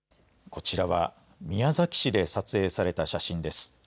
こちらは宮崎市で撮影された写真です。